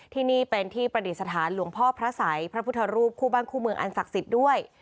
ที่นี่เป็นที่ประดิษฐานหลวงพ่อพระสัยพระพุทธรูปคู่บ้านคู่เมืองอันศักดิ์สิทธิ์ด้วย